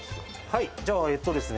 はいじゃあえっとですね